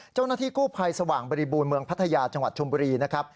เจ้าหน้าที่กู้ภัยสว่างบริบูรณ์เมืองพัทยาจังหวัดชมบุรีนะครับ